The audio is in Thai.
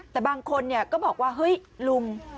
แต่บางคนก็บอกว่าเฮ้ยลุง